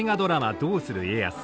「どうする家康」。